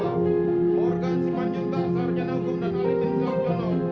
morgan siman yuta sarjana hukum dan alitin soekjono